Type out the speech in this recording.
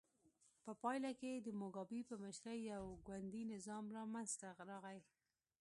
په پایله کې د موګابي په مشرۍ یو ګوندي نظام منځته راغی.